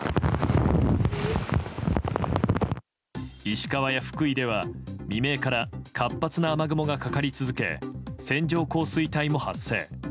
石川や福井では未明から活発な雨雲がかかり続け線状降水帯も発生。